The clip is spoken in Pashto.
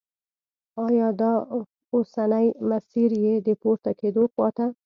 آیا دا اوسنی مسیر یې د پوره کېدو خواته